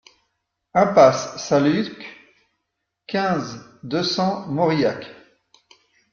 IMP SAINT LUC, quinze, deux cents Mauriac